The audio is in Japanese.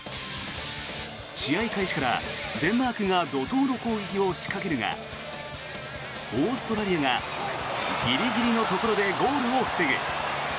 試合開始からデンマークが怒とうの攻撃を仕掛けるがオーストラリアがギリギリのところでゴールを防ぐ。